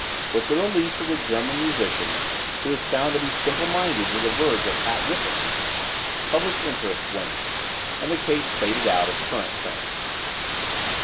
With the release of the German musician, who was found to be simple minded to the verge of half wittedness, public interest waned, and the case faded out of current print.